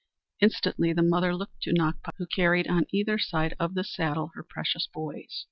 Instantly the mother looked to Nakpa, who carried on either side of the saddle her precious boys.